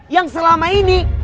yang selama ini